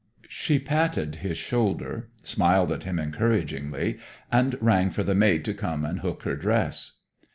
She patted his shoulder, smiled at him encouragingly, and rang for the maid to come and hook her dress.